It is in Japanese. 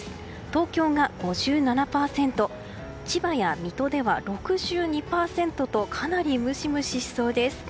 東京が５７％千葉や水戸では６２％とかなりムシムシしそうです。